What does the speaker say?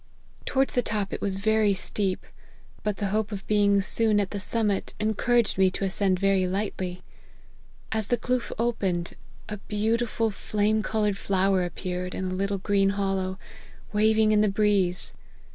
Towards the top it was very steep, but the hope of being soon at the sum 70 LIFE OF HENRY MARTYN. mit, encouraged me to ascend very lightly. As the kloof opened, a beautiful flame coloured flower ap peared in a little green hollow, waving in the breeze.